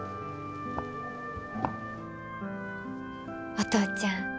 お父ちゃん